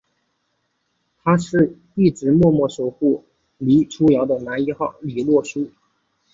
他是一直默默守护黎初遥的男一号李洛书！